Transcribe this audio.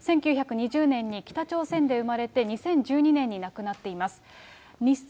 １９２０年に北朝鮮で生まれて２０１２年に亡くなっています。